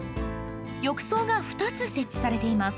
浴槽が２つ設置されています。